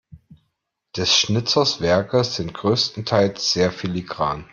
Des Schnitzers Werke sind größtenteils sehr filigran.